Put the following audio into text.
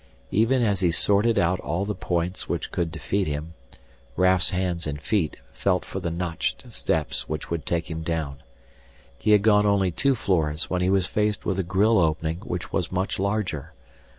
Even as he sorted out all the points which could defeat him, Raf's hands and feet felt for the notched steps which would take him down. He had gone only two floors when he was faced with a grille opening which was much larger.